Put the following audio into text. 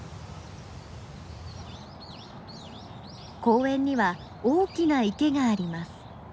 公園には大きな池があります。